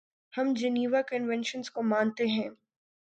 ہم Geneva conventions کو مانتے ہیں۔